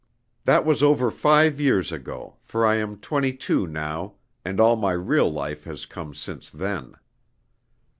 That was over five years ago, for I am twenty two now; and all my real life has come since then.